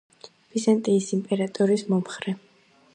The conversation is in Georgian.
ბიზანტიის იმპერატორის მომხრე.